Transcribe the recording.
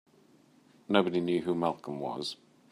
Nobody knew who Malcolm was.